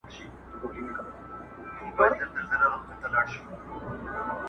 وږی تږی د غار خوله کي غځېدلی -